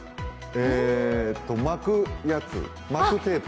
えっと、巻くやつ、巻くテープ。